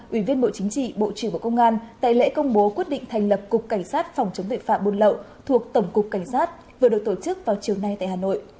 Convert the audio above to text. ủy viên bộ chính trị bộ trưởng bộ công an tại lễ công bố quyết định thành lập cục cảnh sát phòng chống tội phạm buôn lậu thuộc tổng cục cảnh sát vừa được tổ chức vào chiều nay tại hà nội